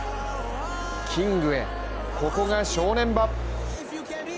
キングへ、ここが正念場。